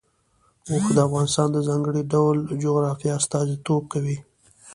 اوښ د افغانستان د ځانګړي ډول جغرافیه استازیتوب کوي.